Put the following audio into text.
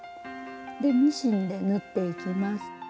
でミシンで縫っていきます。